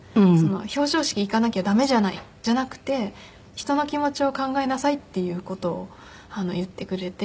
「表彰式行かなきゃ駄目じゃない」じゃなくて「人の気持ちを考えなさい」っていう事を言ってくれて。